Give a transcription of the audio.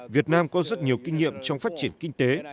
việt nam có rất nhiều kinh nghiệm trong phát triển kinh tế